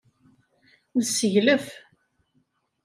Nesseglef.